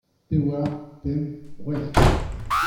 Pevar, pemp, c'hwec'h.